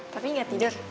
papi gak tidur